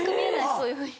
そういうふうに。